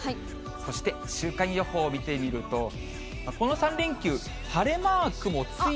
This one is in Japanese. そして週間予報を見てみると、この３連休、本当ですね。